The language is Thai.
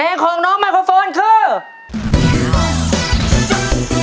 เพลงของน้องไมโครโฟนคือ